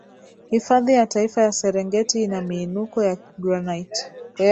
hifadhi ya taifa ya serengeti ina miinuko ya granite